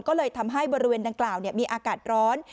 ก็เลยทำให้บริเวณดังกล่าวมีอากาศร้อน